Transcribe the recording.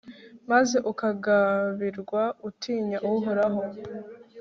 maze ukagabirwa utinya uhoraho